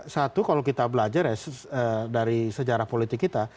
satu kalau kita belajar ya dari sejarah politik kita